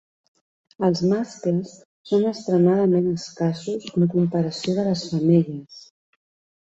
Els mascles són extremadament escassos en comparació de les femelles.